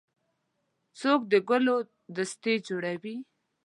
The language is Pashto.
څوک د ګلو دستې جوړوي.